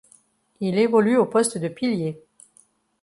Il évolue au poste de pilier.